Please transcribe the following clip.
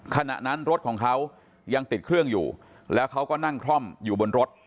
ขณะนั้นรถของเขายังติดเครื่องอยู่แล้วเขาก็นั่งคล่อมอยู่บนรถ